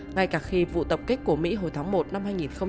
ngay cả khi vụ tập kích của mỹ hồi tháng một năm hai nghìn hai mươi